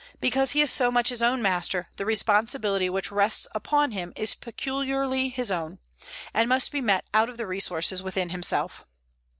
Because he is so much his own master, the responsibility which rests upon him is peculiarly his own, and must be met out of the resources within himself.